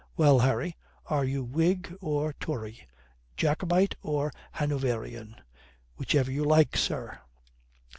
Well, Harry, are you Whig or Tory Jacobite or Hanoverian?" "Whichever you like, sir."